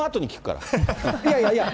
いやいやいや。